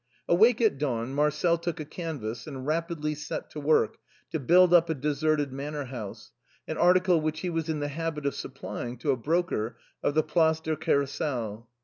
Awake at dawn, Marcel took a canvas and rapidly set to work to build up a deserted manor house, an article which he was in the habit of supplying to a broker of the Place du Carrousel.